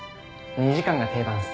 ２時間が定番っす。